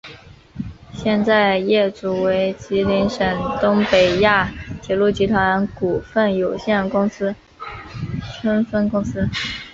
现在业主为吉林省东北亚铁路集团股份有限公司珲春分公司。